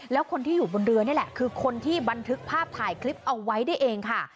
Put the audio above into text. แล้วคนที่อยู่บนเรือนี่แหละคือคนที่บันทึกภาพถ่ายคลิปเอาไว้ได้เองค่ะ